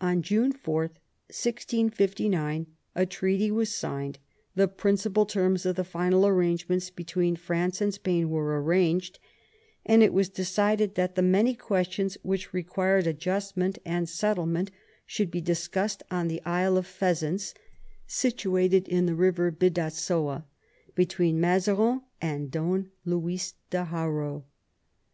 On June 4, 1659, a treaty was signed, the principal terms of the final arrangements between France and Spain were arranged, and it was decided that the many questions which required adjustment and VIII THE PEACE OF THE PYRENEES 145 settlement should be discussed on the Isle of Pheasants, situated in the river Bidassoa, between Mazarin and Don Luis de Haro.